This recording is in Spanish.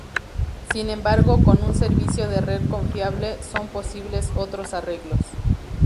Sin embargo, con un servicio de red confiable son posibles otros arreglos.